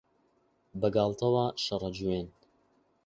بەگاڵتەوە شەڕە جوێن